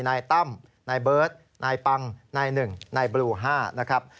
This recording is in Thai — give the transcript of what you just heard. นายตั้มนายเบิร์ตนายปังนาย๑นายบลู๕นะครับ